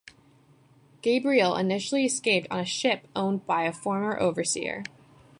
Gabriel initially escaped on a ship owned by a former overseer.